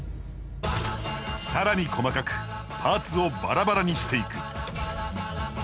更に細かくパーツをバラバラにしていく。